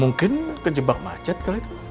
mungkin kejebak macet kali